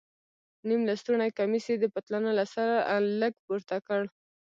نيم لستوڼى کميس يې د پتلانه له سره لږ پورته کړ.